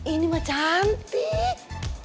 ini mah cantik